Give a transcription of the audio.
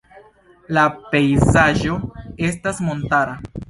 La pejzaĝo estas montara.